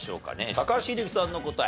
高橋英樹さんの答え。